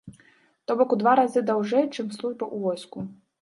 То бок у два разы даўжэй, чым служба ў войску.